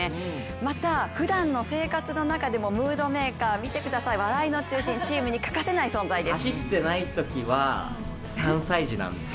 またふだんの生活の中でもムードメーカー、見てください、笑いの中心チームに欠かせない存在です。